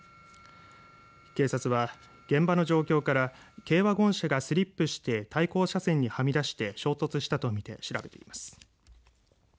警察は現場の状況から軽ワゴン車がスリップして対向車線にはみ出して衝突したと見て調べています。